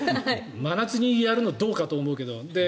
真夏にやるのはどうかと思うけど。